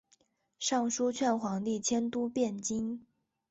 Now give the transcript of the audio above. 上书劝皇帝迁都汴京。